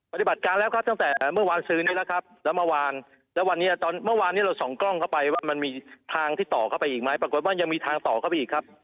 ปฏิบัติการแล้วครับตั้งแต่เมื่อวานซื้อนี้แล้วครับแล้วเมื่อวานแล้ววันนี้ตอนเมื่อวานนี้เราส่องกล้องเข้าไปว่ามันมีทางที่ต่อเข้าไปอีกไหมปรากฏว่ายังมีทางต่อเข้าไปอีกครับ